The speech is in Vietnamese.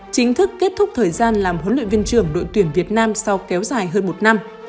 chính thức kết thúc thời gian làm huấn luyện viên trưởng đội tuyển việt nam sau kéo dài hơn một năm